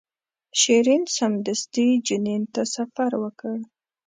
شیرین سمدستي جنین ته سفر وکړ.